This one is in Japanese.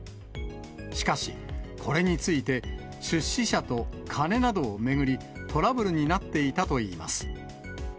しかし、これについて、出資者と金などを巡り、トラブルになっていたといいます。